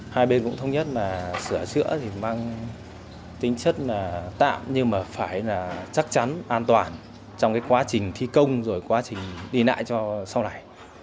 hai bên cũng thống nhất là sửa chữa thì mang tính chất là tạm nhưng mà phải là chắc chắn an toàn trong cái quá trình thi công rồi quá trình đi lại cho sau này